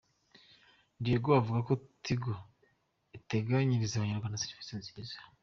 Diego avuga ko Tigo iteganyirije abanyarwanda serivise nziza.